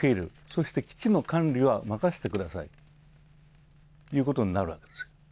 そして基地の管理は任せてくださいということになるわけです。